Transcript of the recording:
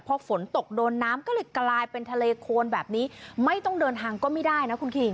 พอฝนตกโดนน้ำก็เลยกลายเป็นทะเลโคนแบบนี้ไม่ต้องเดินทางก็ไม่ได้นะคุณคิง